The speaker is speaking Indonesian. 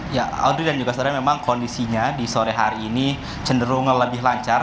ya audrey dan juga saudara memang kondisinya di sore hari ini cenderung lebih lancar